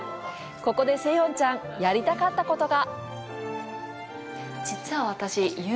ここでセヨンちゃん、やりたかったことが。